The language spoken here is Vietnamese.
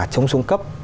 trống xuống cấp